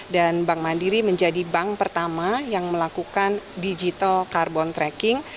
dan bank mandiri menjadi bank pertama yang melakukan digital carbon tracking